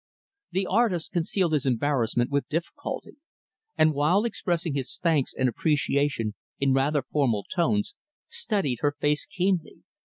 The artist concealed his embarrassment with difficulty; and, while expressing his thanks and appreciation in rather formal words, studied her face keenly.